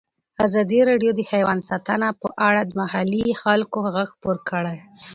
ازادي راډیو د حیوان ساتنه په اړه د محلي خلکو غږ خپور کړی.